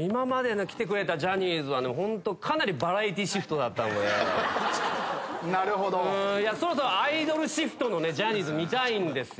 今まで来てくれたジャニーズはかなりバラエティーシフトだったのでそろそろアイドルシフトのねジャニーズ見たいんですよ。